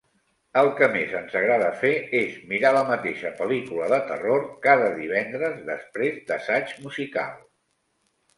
El que més ens agrada fer és mirar la mateixa pel·lícula de terror cada divendres després d'assaig musical.